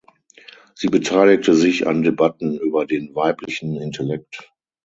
Sie beteiligte sich an Debatten über den weiblichen Intellekt.